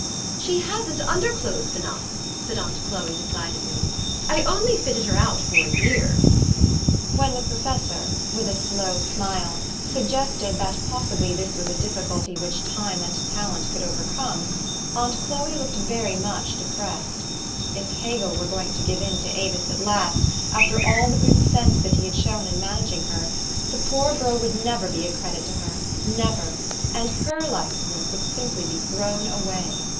" She hasn't underclothes enough," said atmt Chloe decidedly. "I only fitted her out for a year." When the professor, with a slow smile, suggested that possibly this was a difficulty which time and THE STORY OF AVIS. 63 talent could overcome, aunt Chloe looked very much depressed. If Hegel were going to give in to Avis at last, after all the good sense that he had shown in managing her, the poor girl would never be a credit to her, never, and her life's work would sim ply be thrown away.